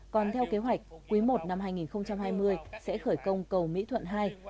còn theo kế hoạch quý i năm hai nghìn hai mươi sẽ khởi công cầu mỹ thuận hai